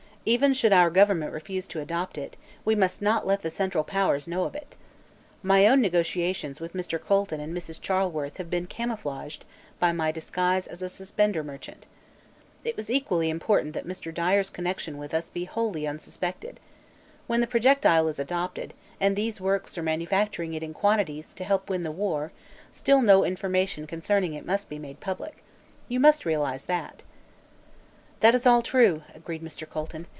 Even should our government refuse to adopt it; we must not let the Central Powers know of it. My own negotiations with Mr. Colton and Mrs. Charleworth have been camouflaged by my disguise as a suspender merchant. It was equally important that Mr. Dyer's connection with us be wholly unsuspected. When the projectile is adopted, and these works are manufacturing it in quantities to help win the war, still no information concerning it must be made public. You must realize that." "That is all true," agreed Mr. Colton.